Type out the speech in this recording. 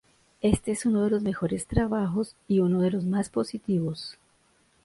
Este es uno de los mejores trabajos y uno de los más positivos.